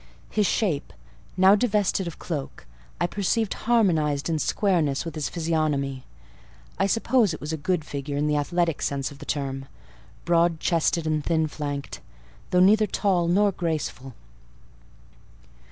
His shape, now divested of cloak, I perceived harmonised in squareness with his physiognomy: I suppose it was a good figure in the athletic sense of the term—broad chested and thin flanked, though neither tall nor graceful.